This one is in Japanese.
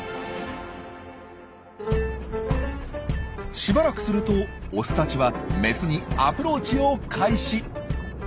しばらくするとオスたちはメスにアプローチを開始。